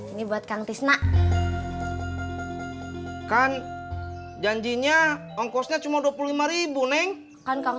ini buat kang tisna kan janjinya ongkosnya cuma dua puluh lima ribu neng kan kang